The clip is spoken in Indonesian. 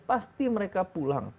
pasti mereka pulang